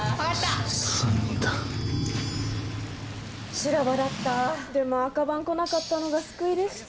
・修羅場だった・でも赤番来なかったのが救いでした。